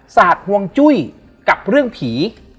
สาดห่วงจุ้ยกับเรื่องผี